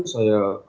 terima kasih banyak